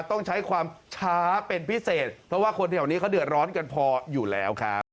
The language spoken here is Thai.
ต้องใช้ความช้าเป็นพิเศษเพราะว่าคนแถวนี้เขาเดือดร้อนกันพออยู่แล้วครับ